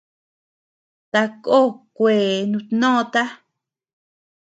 Takoo kuee nutnóta.